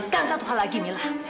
kan satu hal lagi mila